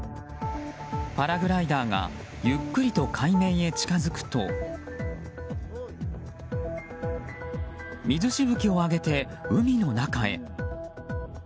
パラグライダーがゆっくりと海面へ近づくと水しぶきを上げて海の中へ。